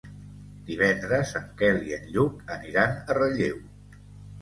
Divendres en Quel i en Lluc aniran a Relleu.